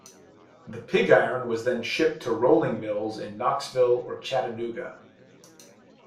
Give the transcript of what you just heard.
The pig iron was then shipped to rolling mills in Knoxville or Chattanooga.